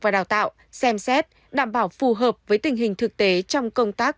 và đào tạo xem xét đảm bảo phù hợp với tình hình thực tế trong công tác